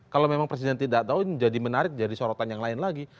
kalau memang presiden tidak tahu ini jadi menarik jadi sorotan yang lain lagi